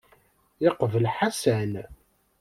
Yeqbel Ḥasan.